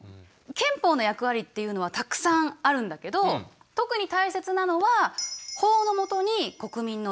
憲法の役割っていうのはたくさんあるんだけど特に大切なのはそっか。